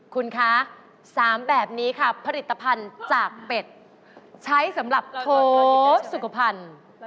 คุณคะ๓แบบนี้ค่ะผลิตภัณฑ์จากเป็ดใช้สำหรับโทสสุขภัณฑ์